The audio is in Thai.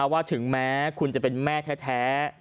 ถึงแม้คุณจะเป็นแม่แท้